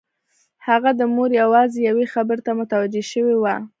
د هغه مور یوازې یوې خبرې ته متوجه شوې وه